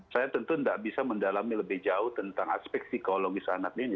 saya tentu tidak bisa mendalami lebih jauh tentang aspek psikologis anak ini